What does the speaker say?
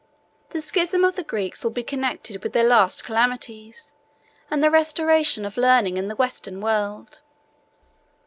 The schism of the Greeks will be connected with their last calamities, and the restoration of learning in the Western world.